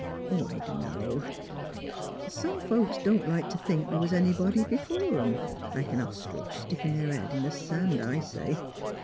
"'* Oh, I dunno. Some folks don't like t' think the' was anybody b'fore 'em; like an ostridge stickin' their heads in the sand, I say.